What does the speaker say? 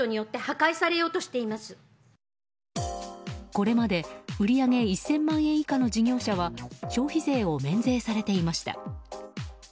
これまで売り上げ１０００万円以下の事業者は消費税を免税されていました。